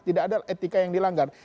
tidak ada etika yang dilanggar